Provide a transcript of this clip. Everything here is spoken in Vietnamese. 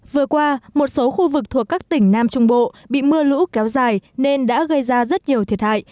vừa qua một số khu vực thuộc các tỉnh nam trung bộ bị mưa lũ kéo dài nên đã gây ra rất nhiều thiệt hại